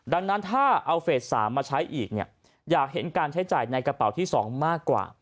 ดังนั้นถ้าเอาเฟส๓มาใช้อีกเนี่ยอยากเห็นการใช้จ่ายในกระเป๋าที่๒มากกว่า